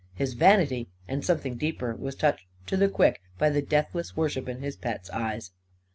His vanity and something deeper was touched to the quick by the deathless worship in his pet's eyes.